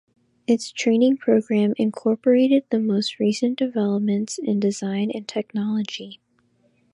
Its training program incorporated the most recent developments in design and technology.